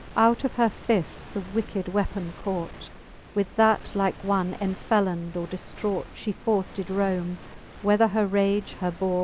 Out of her fift the wicked weapon caught : With that like one enfelon'd or diftraught, She forth did rome, whether her rage her bore.